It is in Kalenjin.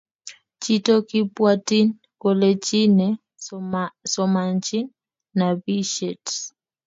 Chito kupwatini kole chi ne somanchin napishet